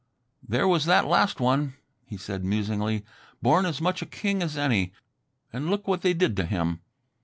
"There was that last one," he said musingly. "Born as much a king as any ... and look what they did to him.